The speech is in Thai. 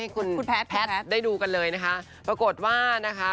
คุณแพทย์แพทย์ได้ดูกันเลยนะคะปรากฏว่านะคะ